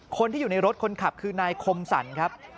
คนที่อยู่ในรถคนขับคือนายคมสรรครับ